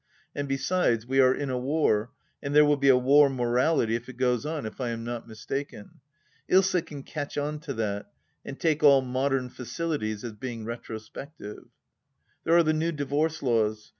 And besides, we are in a war, and there will be a war morality if it goes on, if I am not mistaken. Usa can catch on to that, and take all modem facilities as being retrospective. There are the new Divorce Laws.